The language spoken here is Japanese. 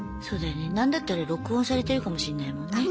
そうだよね何だったら録音されてるかもしんないもんね。